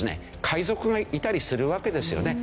海賊がいたりするわけですよね。